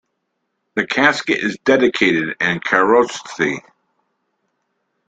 The casket is dedicated in Kharoshthi.